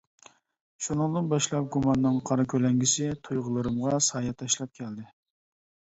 شۇنىڭدىن باشلاپ گۇماننىڭ قارا كۆلەڭگىسى تۇيغۇلىرىمغا سايە تاشلاپ كەلدى.